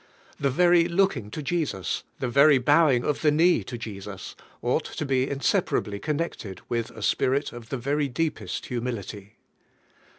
The very looking to Jesus, the very bowing of the knee to Jesus, ought to be in separably connected with a spirit of the very deepest humility.